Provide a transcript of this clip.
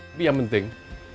tapi yang penting